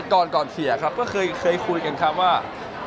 ก่อนเสียครับก็เคยคุยกันครับว่า